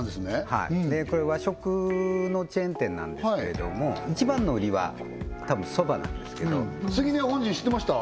はいでこれ和食のチェーン店なんですけれども一番の売りはたぶんそばなんですけどすぎのや本陣知ってました？